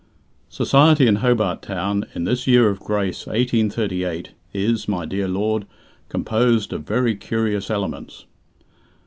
"Society in Hobart Town, in this year of grace 1838, is, my dear lord, composed of very curious elements."